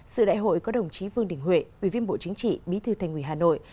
sự đại hội có đồng chí vương đình huệ ủy viên bộ chính trị bí thư thành ủy hà nội